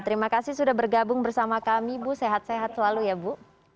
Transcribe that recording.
terima kasih sudah bergabung bersama kami bu sehat sehat selalu ya bu